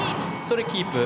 それキープ。